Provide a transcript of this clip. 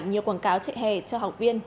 nhiều quảng cáo chạy hè cho học viên